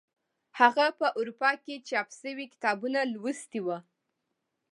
هغه په اروپا کې چاپ شوي کتابونه لوستي وو.